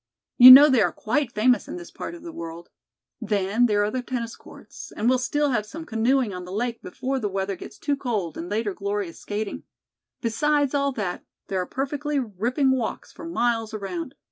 You know they are quite famous in this part of the world. Then, there are the tennis courts, and we'll still have some canoeing on the lake before the weather gets too cold and later glorious skating. Besides all that, there are perfectly ripping walks for miles around.